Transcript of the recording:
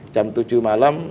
jam tujuh malam